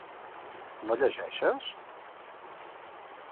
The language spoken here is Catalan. No llegeixes?